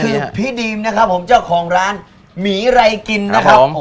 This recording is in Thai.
คือพี่ดีมนะครับผมเจ้าของร้านหมีไรกินนะครับผม